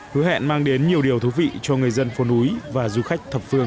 hứa hẹn mang đến nhiều điều thú vị cho người dân phố núi và du khách thập phương